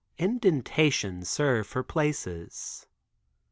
Indentations serve for places.